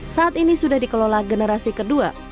saat ini sudah dikelola generasi kedua